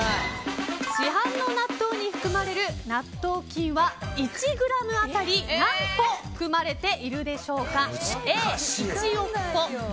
市販の納豆に含まれる納豆菌は１ｇ当たり何個、含まれているでしょうか。